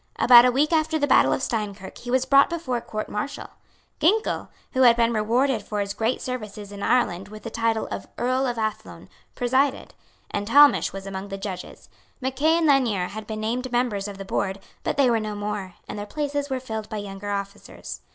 About a week after the battle of Steinkirk he was brought before a Court Martial. Ginkell, who had been rewarded for his great services in Ireland with the title of Earl of Athlone, presided; and Talmash was among the judges. Mackay and Lanier had been named members of the board; but they were no more; and their places were filled by younger officers.